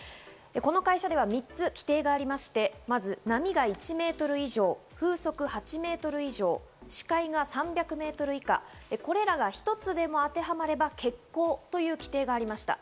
この会社では３つ規定がありまして、まず波が１メートル以上、風速８メートル以上、視界が３００メートル以下、これらが一つでも当てはまれば欠航という規定がありました。